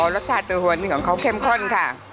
อ๋อรสชาติตื้อหวนนี่ของเขาเข้มข้นค่ะ